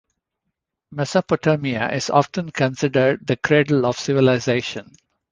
Mesopotamia is often considered the cradle of civilization.